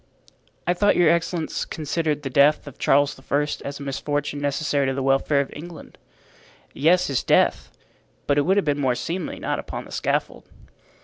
"I thought your excellence considered the death of Charles I. as a misfortune necessary to the welfare of England." "Yes, his death; but it would have been more seemly not upon the scaffold."